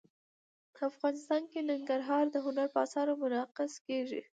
افغانستان کې ننګرهار د هنر په اثار کې منعکس کېږي.